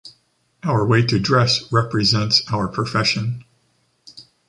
Our way to dress represents our profession.